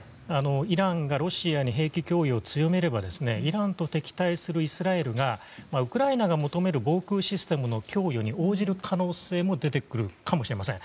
イランがロシアに兵器供与を強めればイランと敵対するイスラエルがウクライナが求める防空システムの供与に応じる可能性も出てくるかもしれません。